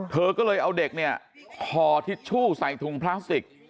เธอก็เลยเอาเด็กเนี่ยห่อทิชชู่ใส่ถุงพลาสติก